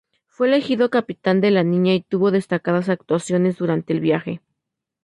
Fue elegido capitán de la Niña y tuvo destacadas actuaciones durante el viaje.